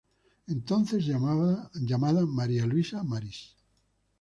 Entonces llamada María Luisa Maris.